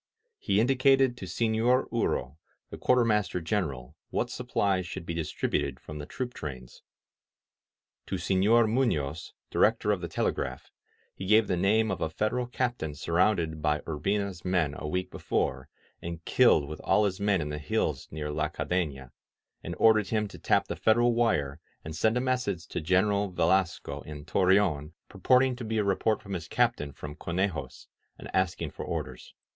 He indicated to Sefior Uro, the Quartermaster general, what supplies should be distributed from the troop trains. To Senor Munoz, Director of the Telegraph, he gave the name of a Federal captcdn surrounded by Urbina's men a week before and killed with all his men in the hills near La Cadena, and ordered him to tap the Federal wire and send a message to Greneral Velasco in Torreon purport 182 THE ARMY AT YERMO ing to be a report from this Captain from Conejos, and asking for orders.